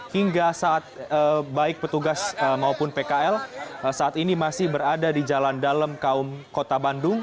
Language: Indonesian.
hingga saat baik petugas maupun pkl saat ini masih berada di jalan dalem kaum kota bandung